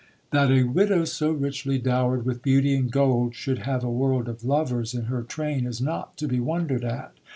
That a widow so richly dowered with beauty and gold should have a world of lovers in her train is not to be wondered at.